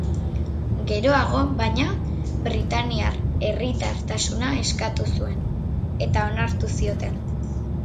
Geroago, baina, britainiar herritartasuna eskatu zuen, eta onartu zioten.